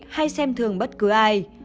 hay xem thường bất cứ ai